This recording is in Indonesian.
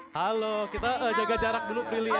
halo kita jaga jarak dulu prilly ya